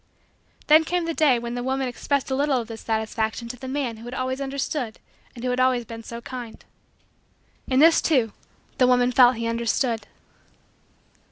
Then came that day when the woman expressed a little of this satisfaction to the man who had always understood and who had been always so kind. In this, too, the woman felt that he understood.